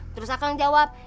terus akang jawab